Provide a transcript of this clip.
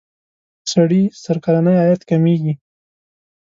سړي سر کلنی عاید کمیږي.